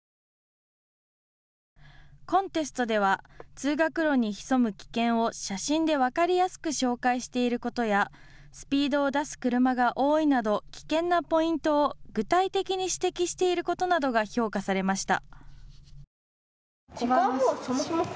コンテストでは通学路に潜む危険を写真で分かりやすく紹介していることやスピードを出す車が多いなど危険なポイントを具体的に指摘していることなどが評価されました。